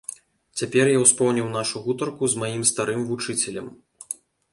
Цяпер я ўспомніў нашу гутарку з маім старым вучыцелем.